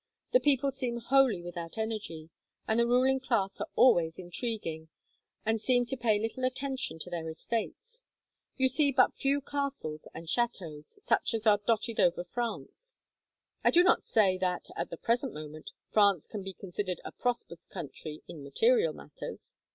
The people seem wholly without energy, and the ruling class are always intriguing, and seem to pay little attention to their estates. You see but few castles and chateaux, such as are dotted over France. I do not say that, at the present moment, France can be considered a prosperous country in material matters.